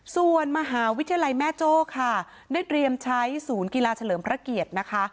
ส่วนมหาวิทยาลัยแม่โจ้ค่ะได้เตรียมใช้ศูนย์กีฬาเฉลิมพระเกียรตินะคะ